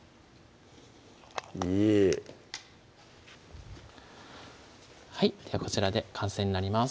いいはいではこちらで完成になります